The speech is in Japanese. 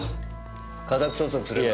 家宅捜索すれば。